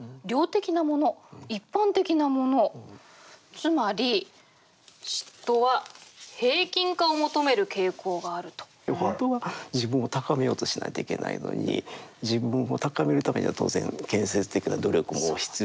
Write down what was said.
つまり嫉妬は本当は自分を高めようとしないといけないのに自分を高めるためには当然建設的な努力も必要でしょう。